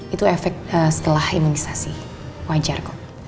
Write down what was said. itu efek setelah imunisasi wajar kok